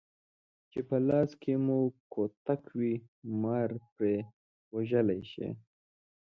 چې په لاس کې مو کوتک وي مار پرې وژلی شئ.